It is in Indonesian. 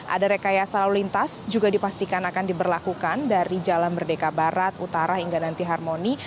ada rekayasa lalu lintas juga dipastikan akan diberlakukan dari jalan merdeka barat utara hingga nanti harmoni